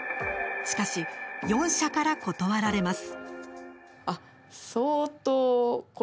しかし、４社から断られます。